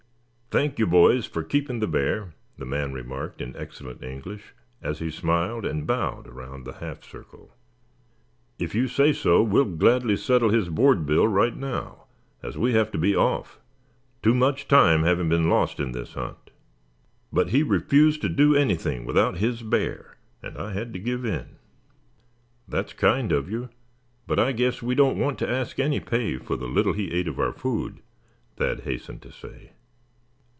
"Thank you, boys, for keeping the bear," the man remarked, in excellent English, as he smiled, and bowed around the half circle. "If you say so, we will gladly settle his board bill right now, as we have to be off, too much time having been lost in this hunt. But he refused to do anything without his bear, and I had to give in." "That's kind of you; but I guess we don't want to ask any pay for the little he ate of our food," Thad hastened to say.